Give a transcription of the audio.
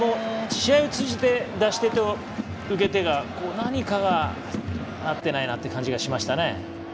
試合を通じて出し手と受け手が何かが合ってないなって感じがしましたね。